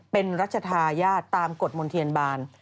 เป็นรัชทายาชตามกฎมนธ์เทียบาล